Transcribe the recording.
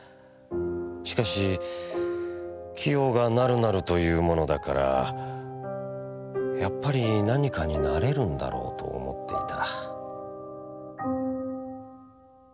しかし清がなるなると云うものだからやっぱり何かに成れるんだろうと思っていた」。